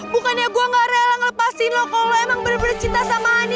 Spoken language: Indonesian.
bukannya gue gak rela ngelepasin lo kalau emang bener bener cinta sama ani